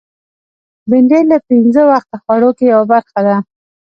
بېنډۍ له پینځه وخته خوړو کې یوه برخه ده